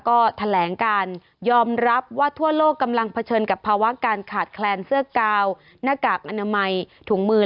ก็แถลงการยอมรับว่าทั่วโลกกำลังเผชิญกับภาวะการขาดแคลนเสื้อกาวหน้ากากอนามัยถุงมือ